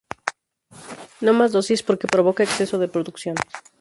No más dosis, porque provoca exceso de producción.